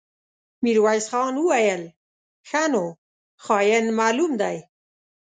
ميرويس خان وويل: ښه نو، خاين معلوم دی.